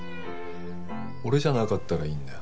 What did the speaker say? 俺じゃなかったらいいんだよ。